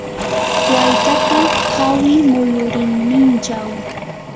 waytata hawi muyurinninchaw.